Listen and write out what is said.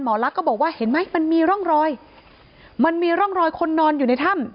ลักษ์ก็บอกว่าเห็นไหมมันมีร่องรอยมันมีร่องรอยคนนอนอยู่ในถ้ำ